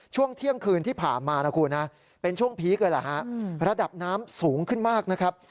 ช่วงเที่ยงคืนที่ผ่านมานะคุณนะเป็นช่วงพีคเลยล่ะฮะระดับน้ำสูงขึ้นมากนะครับ